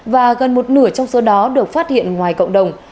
và gần một nửa trong số đó được phát hiện ngoài cộng đồng